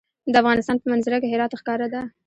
د افغانستان په منظره کې هرات ښکاره ده.